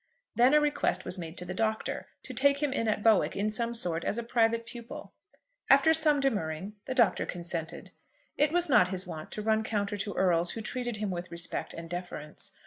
Then a request was made to the Doctor to take him in at Bowick in some sort as a private pupil. After some demurring the Doctor consented. It was not his wont to run counter to earls who treated him with respect and deference.